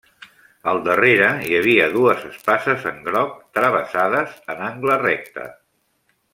Al darrere hi havia dues espases en groc, travessades en angle recte.